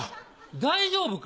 大丈夫か？